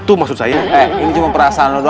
pudin disini ibunya disitu